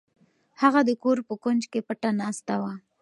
هغه د کور په کونج کې پټه ناسته وه.